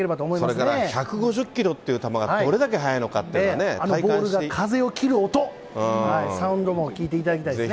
それから１５０キロっていう球がどれだけ速いのかっていうのあのボールが風を切る音、サウンドも聞いていただきたいですね。